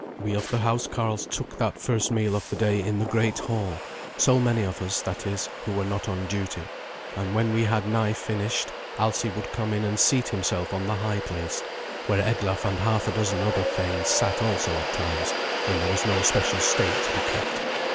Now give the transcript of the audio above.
We of the housecarls took that first meal of the day in the great hall so many of us, that is, who were not on duty; and when we had nigh finished, Alsi would come in and seat himself on the high place, where Eglaf and half a dozen other thanes sat also at times when there was no special state to be kept.